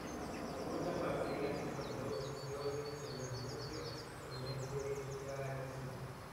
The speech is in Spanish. Muchas bacterias usan dos iones magnesio en vez de la lisina.